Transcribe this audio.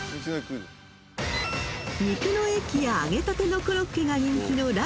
［肉の駅や揚げたてのコロッケが人気のら